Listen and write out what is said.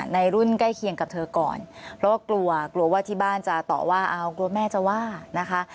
ในรุ่นใกล้เคียงกับเธอก่อนเพราะว่ากลัวกลัวว่าที่บ้านจะต่อว่าเอากลัวแม่จะว่านะคะ